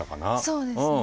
そうですね。